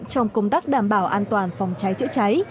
trong công tác đảm bảo an toàn phòng cháy chữa cháy